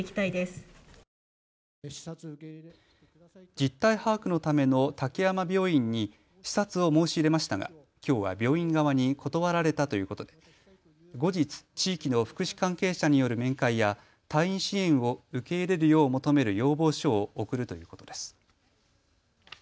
実態把握のための滝山病院に視察を申し入れましたがきょうは病院側に断られたということで後日、地域の福祉関係者による面会や退院支援を受け入れるよう求める要望書を送るということです。